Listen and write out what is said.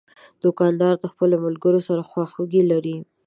دوکاندار د خپلو ملګرو سره خواخوږي لري.